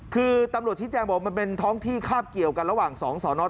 คือตำรวจชี้แจงบอกมันเป็นท้องที่คาบเกี่ยวกันระหว่างสองสอนอ